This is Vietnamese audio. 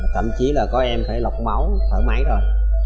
thậm chí là có em phải lọc máu thở máy rồi